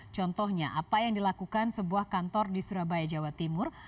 contohnya apa yang dilakukan sebuah kantor di surabaya jawa timur